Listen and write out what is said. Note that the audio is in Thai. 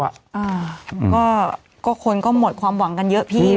อ่าก็คนก็หมดความหวังกันเยอะพี่